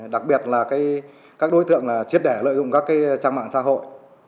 đặc biệt là các đối tượng chiết đẻ lợi dụng các trang mạng xã hội